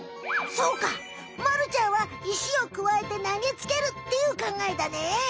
そうかまるちゃんは石をくわえてなげつけるっていうかんがえだね。